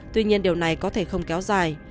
tuy nhiên điều này có thể không kéo dài